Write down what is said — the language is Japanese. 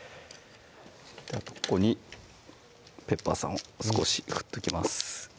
ここにペッパーさんを少し振っときます